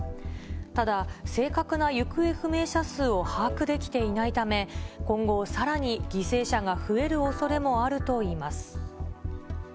ただ、正確な行方不明者数を把握できていないため、今後、さらに犠牲者が増えるおそれもあるといいます。